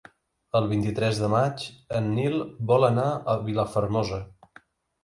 El vint-i-tres de maig en Nil vol anar a Vilafermosa.